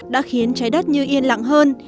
đã khiến trái đất như yên lặng hơn